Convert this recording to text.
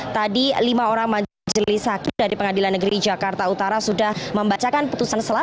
tadi lima orang majelis hakim dari pengadilan negeri jakarta utara sudah membacakan putusan selah